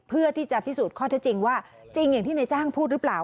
เพื่อที่จะพิสูจน์ข้อเท็จจริงว่าจริงอย่างที่ในจ้างพูดหรือเปล่า